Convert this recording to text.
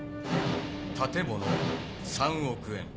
「建物三億円」